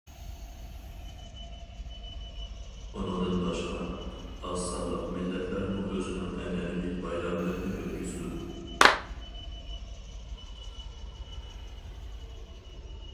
ئۇنىڭدىن باشقا، ئاز سانلىق مىللەتلەرمۇ ئۆزىنىڭ ئەنئەنىۋى بايراملىرىنى ئۆتكۈزىدۇ.